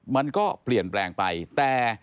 มันก็เปลี่ยนแปลงไปแต่